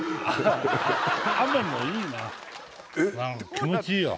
気持ちいいよ。